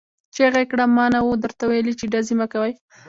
چيغه يې کړه! ما نه وو درته ويلي چې ډزې مه کوئ!